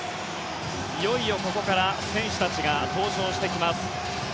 いよいよ、ここから選手たちが登場してきます。